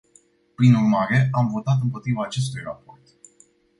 Prin urmare, am votat împotriva acestui raport.